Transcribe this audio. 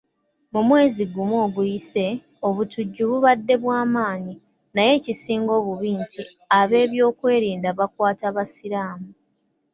Mu mwezi gumu oguyise, obutujju bubadde bwa maanyi, naye ekisinga obubi nti ab'ebyokwerinda bakwata basiraamu.